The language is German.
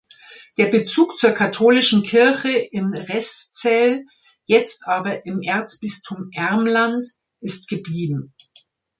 Der Bezug zur katholischen Kirche in Reszel, jetzt aber im Erzbistum Ermland, ist geblieben.